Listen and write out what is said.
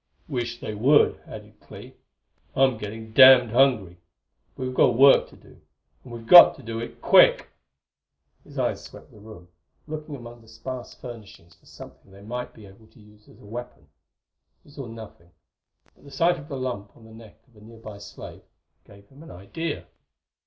"Wish they would," added Clee; "I'm getting damned hungry. But we've got work to do and we've got to do it quick!" His eyes swept the room, looking among the sparse furnishings for something they might be able to use as a weapon. He saw nothing, but the sight of the lump on the neck of a nearby slave gave him an idea.